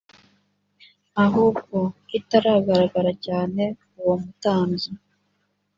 ahubwo kitagaragara cyane uwo mutambyi